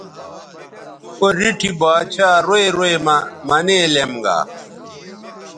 او ریٹھی با ڇھا روئ روئ مہ منے لیم گا